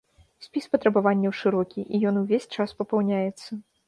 Спіс патрабаванняў шырокі, і ён увесь час папаўняецца.